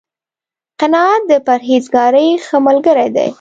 قناعت، د پرهېزکارۍ ښه ملګری دی